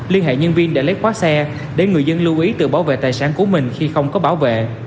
liên hệ nhân viên để lấy quá xe để người dân lưu ý tự bảo vệ tài sản của mình khi không có bảo vệ